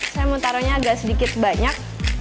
saya mau taruhnya agak sedikit banyak